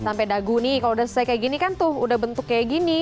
sampai dagu nih kalau udah selesai kayak gini kan tuh udah bentuk kayak gini